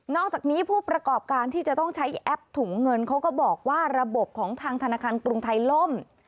อกจากนี้ผู้ประกอบการที่จะต้องใช้แอปถุงเงินเขาก็บอกว่าระบบของทางธนาคารกรุงไทยล่ม